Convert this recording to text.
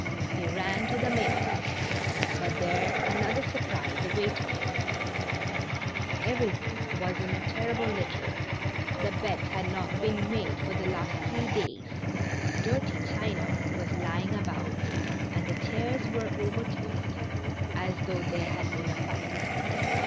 He ran to the mayor's, but there another surprise awaited him; everything was in a ter rible litter, the beds had not been made for the last three days, dirty china was lying about, and the chairs were overturned, as though there had been a fight.